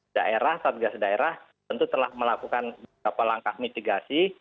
daerah satgas daerah tentu telah melakukan beberapa langkah mitigasi